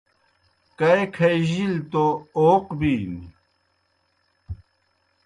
کائی کھائجِلیْ توْ اوق بِینیْ۔